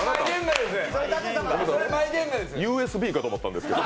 ＵＳＢかと思ったんですけど。